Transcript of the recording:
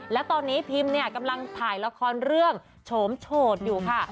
และตอนนี้พิมเนี่ยกำลังถ่ายละครเรื่องโฉมโฉดอยู่ค่ะ